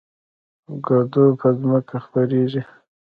کدو په ځمکه خپریږي